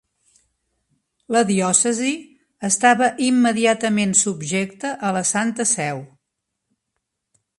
La diòcesi estava immediatament subjecta a la Santa Seu.